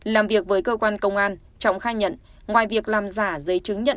làm việc với cơ quan công an trọng khai nhận ngoài việc làm giả giấy chứng nhận